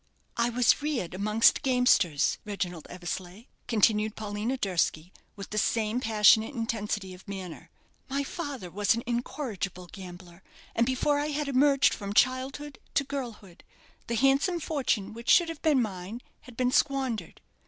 "I was reared amongst gamesters, Reginald Eversleigh," continued Paulina Durski, with the same passionate intensity of manner, "My father was an incorrigible gambler; and before I had emerged from childhood to girlhood, the handsome fortune which should have been mine had been squandered.